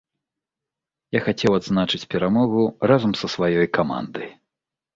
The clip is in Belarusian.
Я хацеў адзначыць перамогу разам са сваёй камандай.